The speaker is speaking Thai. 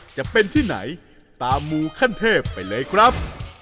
จะเป็นที่ไหนตามมูขั้นเทพไปเลยครับ